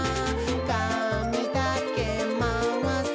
「かみだけまわす」